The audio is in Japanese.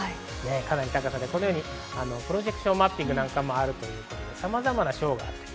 かなり高くて、このようにプロジェクションマッピングなんかもあるということで様々なショーがあります。